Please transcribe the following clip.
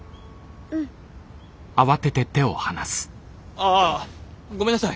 あぁごめんなさい。